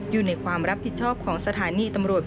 อยูดินในความรับผิดชอบของสถานีบุญชัย